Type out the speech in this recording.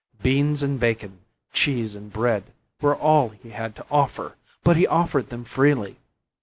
Beans and bacon, cheese and bread, were all he had to offer, but he offered them freely.